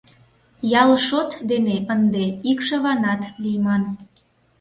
— Ял шот дене ынде икшыванат лийман.